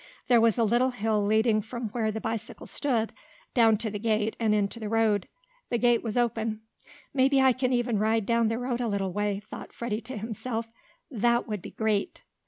There was a little hill leading from where the bicycle stood down to the gate, and into the road. The gate was open. "Maybe I can even ride down the road a little way," thought Freddie to himself. "That would be great."